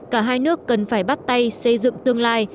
cả hai nước cần phải bắt tay xây dựng tương lai